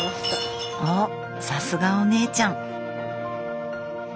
おっさすがお姉ちゃん！